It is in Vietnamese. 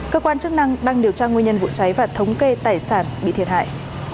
cơ quan chức năng đang điều tra nguyên nhân vụ cháy và thống kê tài sản bị thiệt hại